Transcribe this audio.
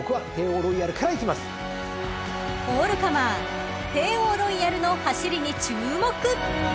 ［オールカマーテーオーロイヤルの走りに注目］